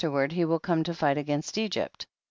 ward he will come to fight against Egypt. 6.